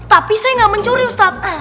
tapi saya nggak mencuri ustadz